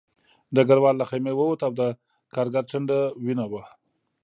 ډګروال له خیمې ووت او د کارګر ټنډه وینه وه